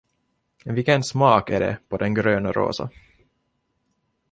Vilken smak är det på den grönrosa?